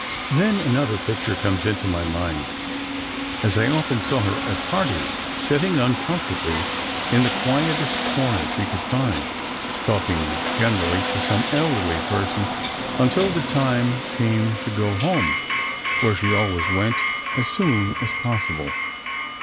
Then another picture comes into my mind as I often saw her at parties, sitting uncomfortably in the quietest corner she could find, talking generally to some elderly person until the time came to go home, where she always went as soon as possible.